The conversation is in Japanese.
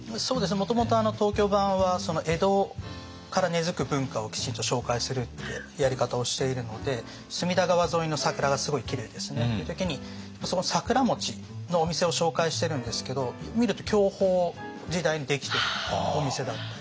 もともと東京版は江戸から根づく文化をきちんと紹介するってやり方をしているので隅田川沿いの桜がすごいきれいですねっていう時にその桜のお店を紹介してるんですけど見ると享保時代に出来てるお店だったり。